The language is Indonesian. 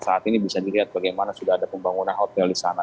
saat ini bisa dilihat bagaimana sudah ada pembangunan hotel di sana